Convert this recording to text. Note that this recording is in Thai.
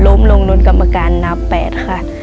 ลงลงลงมีกรรมการนับแปดค่ะ